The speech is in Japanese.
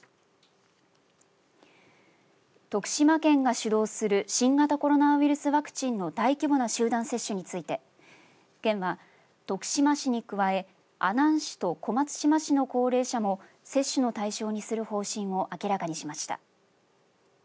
徳島県が主導する新型コロナウイルスワクチンの大規模な集団接種について県は徳島市に加え阿南市と小松島市の高齢者も接種の対象にする方針を明らかにしました。